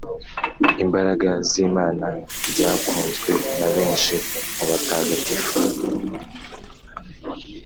imbaraga z’imana ryakunzwe na benshi mu batagatifu